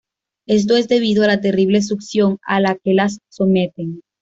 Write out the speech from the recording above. Esto es debido a la terrible succión a la que las someten.